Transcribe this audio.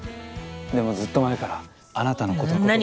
でもずっと前からあなたの事を。